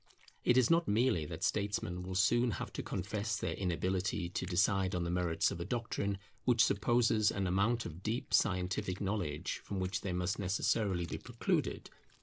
It is not merely that statesmen will soon have to confess their inability to decide on the merits of a doctrine which supposes an amount of deep scientific knowledge from which they must necessarily be precluded.